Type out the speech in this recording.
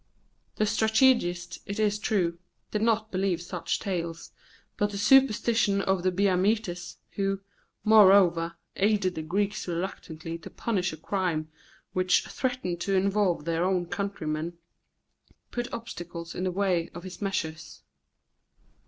The strategist, it is true, did not believe such tales, but the superstition of the Biamites, who, moreover, aided the Greeks reluctantly to punish a crime which threatened to involve their own countrymen, put obstacles in the way of his measures.